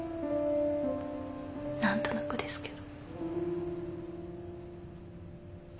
何となくですけど。